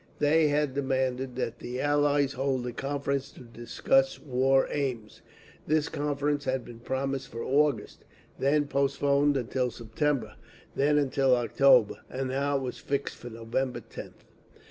They had demanded that the Allies hold a conference to discuss war aims. This conference had been promised for August; then postponed until September; then until October; and now it was fixed for November 10th.